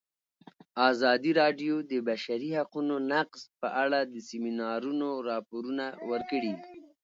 ازادي راډیو د د بشري حقونو نقض په اړه د سیمینارونو راپورونه ورکړي.